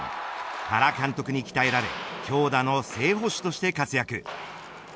原監督に鍛えられ強打の正捕手として活躍。